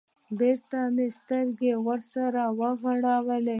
بېرته مې سترگې سره ورغلې.